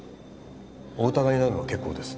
お疑いになるのは結構です。